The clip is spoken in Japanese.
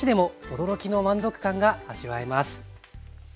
驚きの満足感が味わえます。